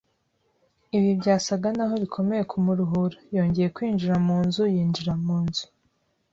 Ibi byasaga naho bikomeye kumuruhura. Yongeye kwinjira mu nzu yinjira mu nzu